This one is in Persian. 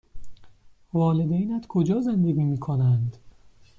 والدینت کجا زندگی می کنند؟